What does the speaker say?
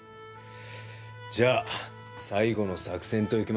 じゃあ最後の作戦といきますか。